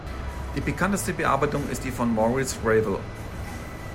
Die bekannteste Bearbeitung ist die von Maurice Ravel.